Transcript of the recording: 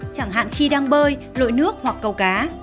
chẳng hạn khi đang bơi lội nước hoặc cầu cá